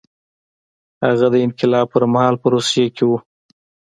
هغه د انقلاب پر مهال په روسیه کې و